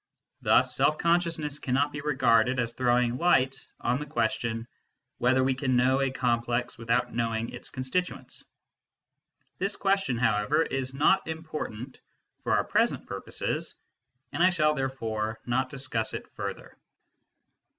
Thus self consciousness cannot be regarded as throwing light on the question whether we (Jan know a complex without knowing its constituents?) This question, however, is not important for our present purposes, and I shall therefore not discuss it further.